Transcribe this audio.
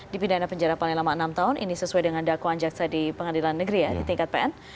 dipindah penjara paling lama enam tahun ini sesuai dengan dakwaan jaksa di pengadilan negeri ya di tingkat pn